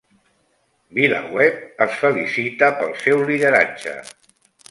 VilaWeb es felicita pel seu lideratge